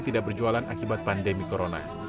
tidak berjualan akibat pandemi corona